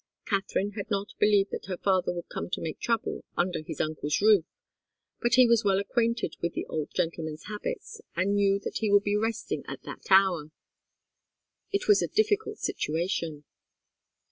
Katharine had not believed that her father would come to make trouble under his uncle's roof, but he was well acquainted with the old gentleman's habits, and knew that he would be resting at that hour. It was a difficult situation.